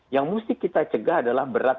yang mesti kita cegah adalah berat